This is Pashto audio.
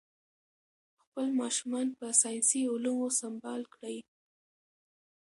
خپل ماشومان په ساینسي علومو سمبال کړئ.